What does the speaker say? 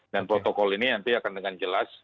dan protokol ini nanti akan dengan jelas